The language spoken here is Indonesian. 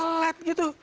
kan tetap gitu